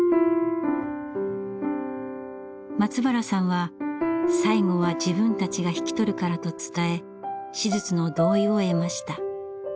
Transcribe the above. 松原さんは最後は自分たちが引き取るからと伝え手術の同意を得ました。